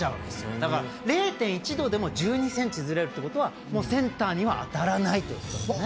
だから０．１度でも１２ｃｍ、ずれるということはセンターには当たらないということですね。